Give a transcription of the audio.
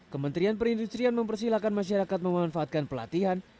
kementerian perindustrian mempersilahkan masyarakat memanfaatkan pelatihan